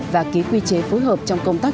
và ký quy chế phối hợp trong công tác